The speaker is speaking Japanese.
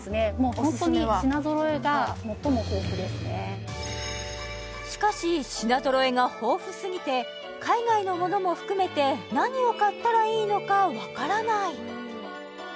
ホントに品揃えが最も豊富ですねしかし品揃えが豊富すぎて海外のものも含めて何を買ったらいいのか分からない